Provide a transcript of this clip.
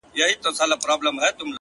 ستا وه ديدن ته هواداره يمه؛